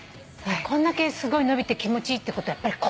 こんだけすごい伸びて気持ちいいってことはやっぱり凝ってたのかな？